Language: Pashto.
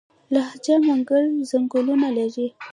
لجه منګل ځنګلونه لري؟